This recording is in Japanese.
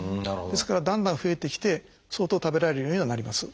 ですからだんだん増えてきて相当食べられるようにはなります。